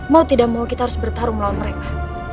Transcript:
mau tidak mau kita harus bertarung melawan mereka